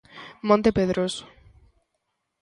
Monte Pedroso.